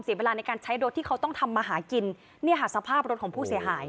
เวลาในการใช้รถที่เขาต้องทำมาหากินเนี่ยค่ะสภาพรถของผู้เสียหาย